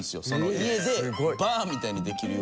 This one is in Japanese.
家でバーみたいにできるように。